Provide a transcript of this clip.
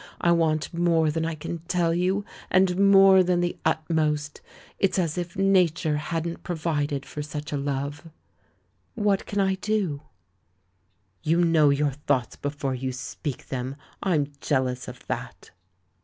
I want more than I can tell you, and more than the utmost. It's as if nature hadn't provid ed for such a love." "What can I do?" "] THE LAURELS AND THE LADY 127 "You know your thoughts before you speak them ! I'm jealous of that."